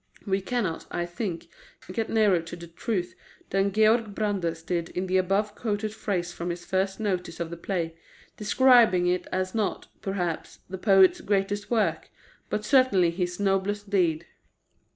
We cannot, I think, get nearer to the truth than Georg Brandes did in the above quoted phrase from his first notice of the play, describing it as not, perhaps, the poet's greatest work, but certainly his noblest deed.